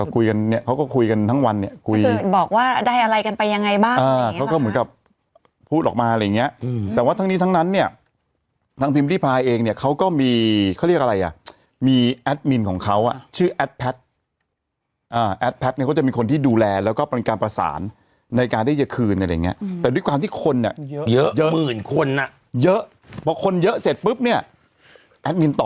ก็เหมือนกับพูดออกมาอะไรอย่างเงี้ยอืมแต่ว่าทั้งนี้ทั้งนั้นเนี้ยทั้งพิมพิภายเองเนี้ยเขาก็มีเขาเรียกอะไรอ่ะมีแอดมินของเขาอ่ะชื่อแอดแพทย์อ่าแอดแพทย์เนี้ยเขาจะมีคนที่ดูแลแล้วก็ปัญญาการประสานในการได้จะคืนอะไรอย่างเงี้ยอืมแต่ด้วยความที่คนอ่ะเยอะเยอะมื่นคนอ่ะเยอะพอคนเยอะเสร็จปุ๊บเนี้ยแอดมินตอ